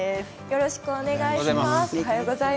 よろしくお願いします。